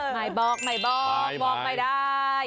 ไม่บอกไม่บอกบอกไม่ได้